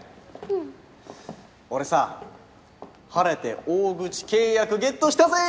うん俺さ晴れて大口契約ゲットしたぜ！